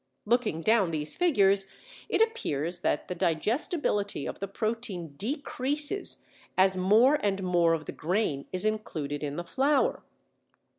Looking down these figures it appears that the digestibility of the protein decreases as more and more of the grain is included in the flour.